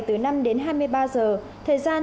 từ năm đến hai mươi ba giờ thời gian